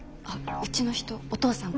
うちの人お父さん？